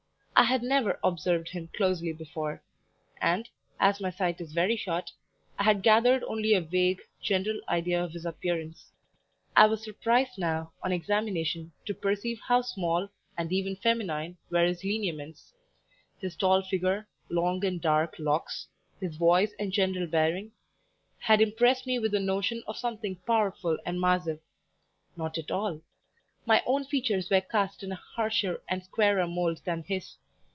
I had never observed him closely before; and, as my sight is very short, I had gathered only a vague, general idea of his appearance; I was surprised now, on examination, to perceive how small, and even feminine, were his lineaments; his tall figure, long and dark locks, his voice and general bearing, had impressed me with the notion of something powerful and massive; not at all: my own features were cast in a harsher and squarer mould than his.